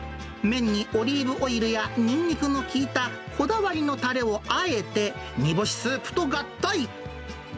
麺にオリーブオイルやニンニクの効いたこだわりのたれをあえて、煮干しスープと合体。